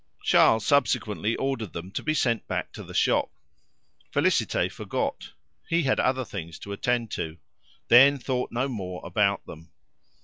Charles subsequently ordered them to be sent back to the shop. Félicité forgot; he had other things to attend to; then thought no more about them.